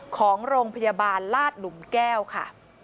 ของโรงพยาบาลลาดหลุมแก้วค่ะ